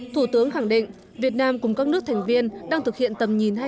thủ tướng khẳng định việt nam cùng các nước thành viên đang thực hiện tầm nhìn hai nghìn một mươi tám